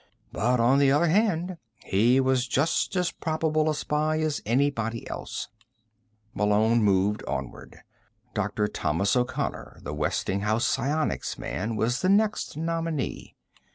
But, on the other hand, he was just as probable a spy as anybody else. Malone moved onward. Dr. Thomas O'Connor, the Westinghouse psionics man, was the next nominee.